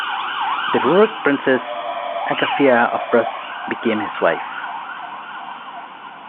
The Rurik princess Agafia of Rus became his wife.